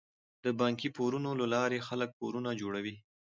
د بانکي پورونو له لارې خلک کورونه جوړوي.